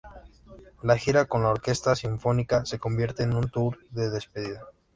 La gira con la orquesta sinfónica se convierte en un tour de despedida.